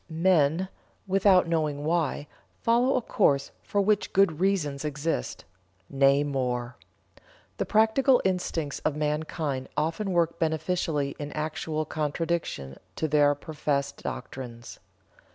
Men, without knowing why, follow a course for which good reasons exist. Nay, more. The practical instincts of mankind often work beneficially in actual contradiction to their professed doctrines."